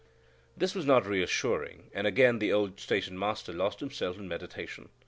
This was not reassuring, and again the old station master lost himself in meditation.